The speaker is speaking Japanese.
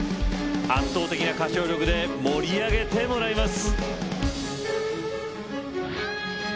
圧倒的な歌唱力で盛り上げてもらいます。